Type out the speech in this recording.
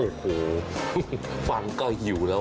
โอ้โฮฟังไกลอยู่แล้ว